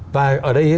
và ở đây